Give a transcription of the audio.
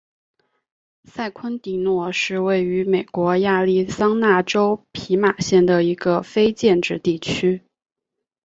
塞昆迪诺是位于美国亚利桑那州皮马县的一个非建制地区。